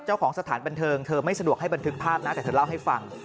สถานบันเทิงเธอไม่สะดวกให้บันทึกภาพนะแต่เธอเล่าให้ฟัง